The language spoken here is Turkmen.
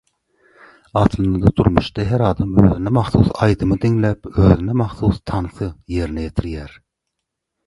Aslynda durmuşda her adam özüne mahsus aýdymy diňläp özüne mahsus tansy ýerine ýetirýär.